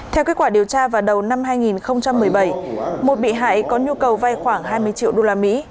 theo kết quả điều tra vào đầu năm hai nghìn một mươi bảy một bị hại có nhu cầu vay khoảng hai mươi triệu đô la mỹ